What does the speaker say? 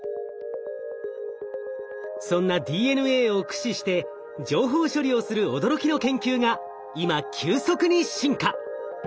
そんなＤＮＡを駆使して情報処理をする驚きの研究が今急速に進化！